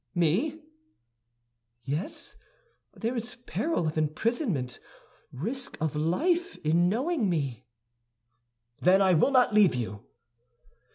"Me?" "Yes; there is peril of imprisonment, risk of life in knowing me." "Then I will not leave you."